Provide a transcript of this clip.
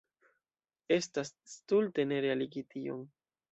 Estus stulte ne realigi tion.